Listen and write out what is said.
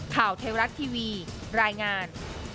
ข่าวเทวรัตน์ทีวีรายงาน